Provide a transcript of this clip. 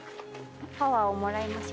パワーをもらいましょう。